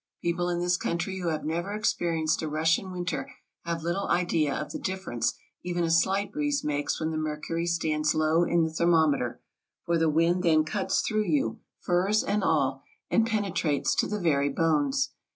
People in this country who have never experienced a Russian win ter have little idea of the difference even a slight breeze makes when the mercury stands low in the thermometer, for the wind then cuts through you, furs and all, and pene trates to the very bones.